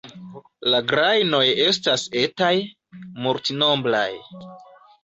La grajnoj estas etaj, multnombraj.